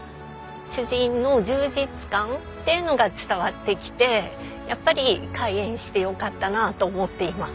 主人の充実感っていうのが伝わってきてやっぱり開園してよかったなと思っています。